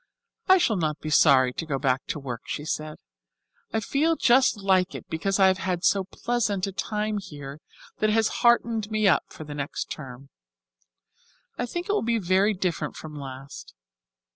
"I shall not be sorry to go back to work," she said. "I feel just like it because I have had so pleasant a time here that it has heartened me up for next term. I think it will be very different from last.